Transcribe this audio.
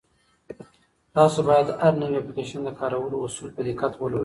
تاسو باید د هر نوي اپلیکیشن د کارولو اصول په دقت ولولئ.